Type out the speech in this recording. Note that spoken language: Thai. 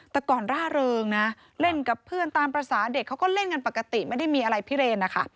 แต่ก่อนร่าเริงนะเล่นกับเพื่อนตามภาษาเด็กเขาก็เล่นกันปกติไม่ได้มีอะไรพิเรนนะคะ